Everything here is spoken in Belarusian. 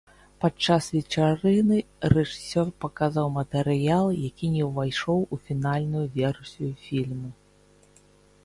Падчас вечарыны рэжысёр паказаў матэрыял, які не ўвайшоў у фінальную версію фільму.